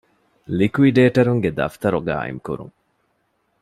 ލިކުއިޑޭޓަރުންގެ ދަފްތަރު ޤާއިމުކުރުން